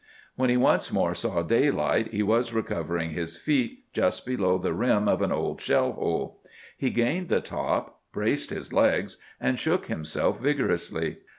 When he once more saw daylight, he was recovering his feet just below the rim of an old shell hole. He gained the top, braced his legs, and shook himself vigorously.